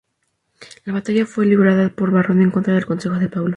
La batalla fue librada por Varrón en contra del consejo de Paulo.